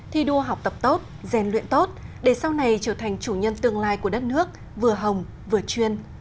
thi đua học tập tốt gian luyện tốt để sau này trở thành chủ nhân tương lai của đất nước vừa hồng vừa chuyên